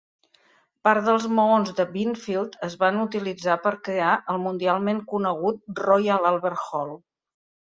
Part dels maons de Binfield es van utilitzar per crear el mundialment conegut Royal Albert Hall.